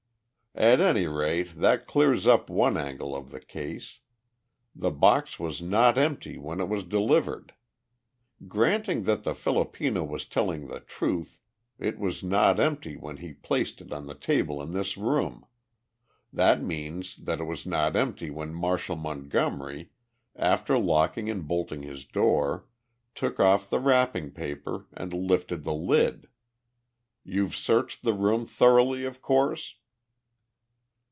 '" "At any rate, that clears up one angle of the case. The box was not empty when it was delivered! Granting that the Filipino was telling the truth, it was not empty when he placed it on the table in this room! That means that it was not empty when Marshall Montgomery, after locking and bolting his door, took off the wrapping paper and lifted the lid! You've searched the room thoroughly, of course?"